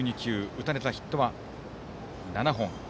打たれたヒットは７本。